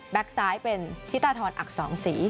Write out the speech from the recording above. แบ๊กซ้ายเป็นทิตาธรอักษรองศรี